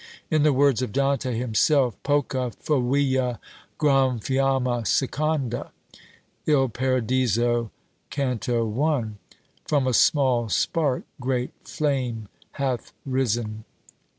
In the words of Dante himself, Poca favilla gran fiamma seconda. Il Paradiso, Can. i. From a small spark Great flame hath risen.